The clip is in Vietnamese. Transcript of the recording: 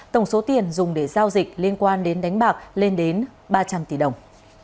tổng số tiền dùng để giao dịch liên quan đến đánh bạc lên đến ba trăm linh tỷ đồng